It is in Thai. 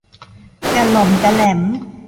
กะหร็อมกะแหร็ม